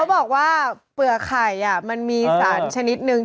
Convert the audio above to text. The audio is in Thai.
บอกว่าเปลือกไข่มันมีสารชนิดนึง